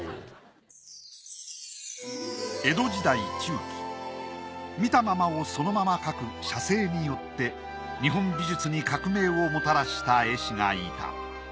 江戸時代中期見たままをそのまま描く写生によって日本美術に革命をもたらした絵師がいた。